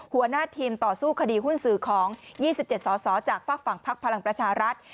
หัวหน้าทีมต่อสู้คดีหุ้นสื่อของ๒๗สอสอจากฝากฝั่งพักพลังประชารัฐ